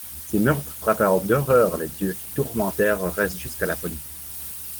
Ces meurtres frappèrent d’horreur les dieux, qui tourmentèrent Oreste jusqu’à la folie.